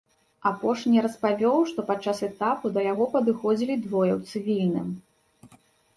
Апошні распавёў, што падчас этапу да яго падыходзілі двое ў цывільным.